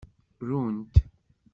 Runt.